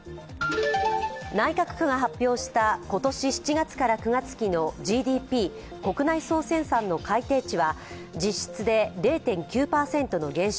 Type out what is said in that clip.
内閣府が発表した今年７月から９月期のＧＤＰ＝国内総生産の改定値は実質で０．９％の減少